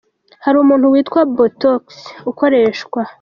Hari umuti witwa Botox ® ukoreshwa .